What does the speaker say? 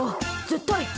絶対！